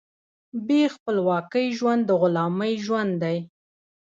بې خپلواکۍ ژوند د غلامۍ ژوند دی.